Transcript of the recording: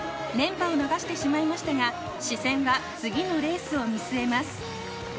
連覇を逃してしまいましたが、視線は次のレースを見据えます。